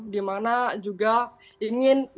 dimana juga ingin mengambil dari bidang marketing politik